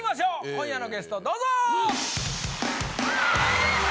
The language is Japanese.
今夜のゲストどうぞ！